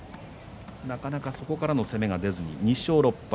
なかなかそこからの攻めが出ずに２勝６敗。